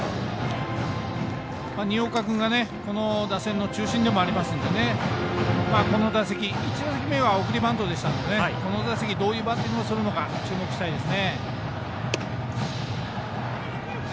新岡君がこの打線の中心でもありますのでこの打席１打席目は送りバントでしたのでこの打席どういうバッティングをするのか注目したいです。